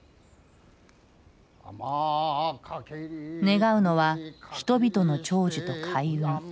願うのは人々の長寿と開運。